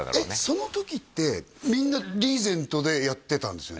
その時ってみんなリーゼントでやってたんですよね？